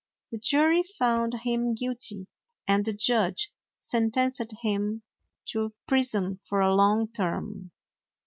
The jury found him guilty, and the judge sentenced him to prison for a long term.